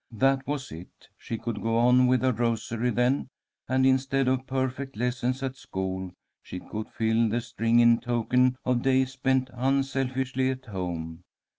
That was it. She could go on with her rosary then, and, instead of perfect lessons at school, she could fill the string in token of days spent unselfishly at home.